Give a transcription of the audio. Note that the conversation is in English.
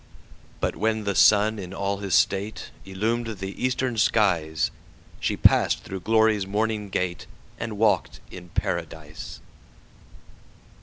But when the sun in all his stateIllumed the eastern skies, She passed through Glory's morning gateAnd walked in Paradise!